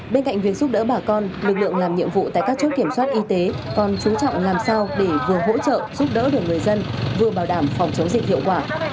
bên cạnh việc giúp đỡ bà con lực lượng làm nhiệm vụ tại các chốt kiểm soát y tế còn chú trọng làm sao để vừa hỗ trợ giúp đỡ được người dân vừa bảo đảm phòng chống dịch hiệu quả